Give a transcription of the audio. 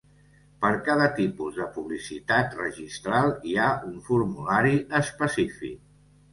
Per cada tipus de publicitat registral hi ha un formulari específic.